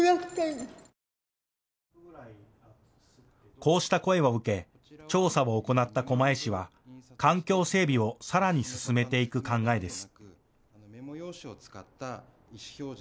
こうした声を受け調査を行った狛江市は環境整備をさらに進めていく考えです。